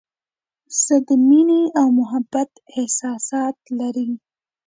زه د مینې او محبت احساسات لري.